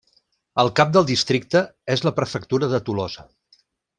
El cap del districte és la prefectura de Tolosa.